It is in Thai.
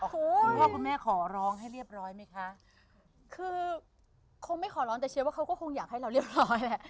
คือคงไม่ขอร้องแต่เชียวว่าเขาก็คงอยากให้เราเรียบร้อยแหละ